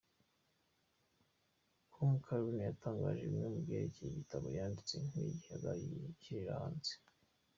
com Karen yatangaje bimwe mu byerekeye igitabo yanditse n’igihe azagishyirira hanze.